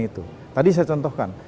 itu tadi saya contohkan